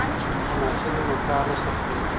که ماشین وي نو کار نه سختیږي.